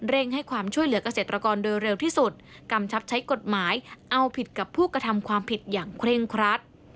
ให้ความช่วยเหลือกเกษตรกรโดยเร็วที่สุดกำชับใช้กฎหมายเอาผิดกับผู้กระทำความผิดอย่างเคร่งครัด